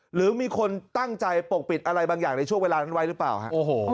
หรือมีคนตั้งใจปกปิดอะไรบางอย่างในช่วงเวลานั้นไว้หรือเปล่าฮะโอ้โห